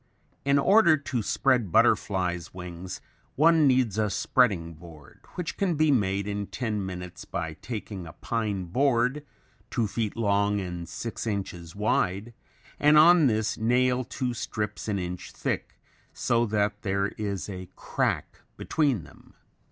In order to spread butterflies' wings, one needs a spreading board, which can be made in ten minutes by taking a pine board two feet long, and six inches wide and on this nail two strips an inch thick, so that there is a crack between them.